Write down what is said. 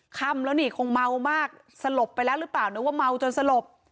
ค่ำแล้วนี่คงเมามากสลบไปแล้วหรือเปล่านึกว่าเมาจนสลบ